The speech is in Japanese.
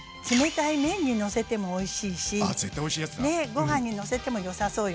ご飯にのせてもよさそうよね。